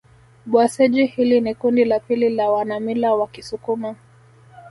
Bhasweji hili ni kundi la pili la wanamila wa kisukuma